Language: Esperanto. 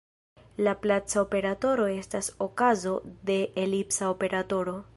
Laplaca operatoro estas okazo de elipsa operatoro.